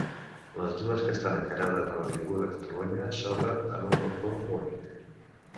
Les dues que estan encarades a l'Avinguda Catalunya s'obren en un balcó únic.